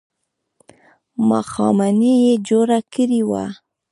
ماښامنۍ یې جوړه کړې وه.